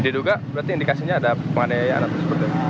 diduga berarti indikasinya ada penganayaan atau sebagainya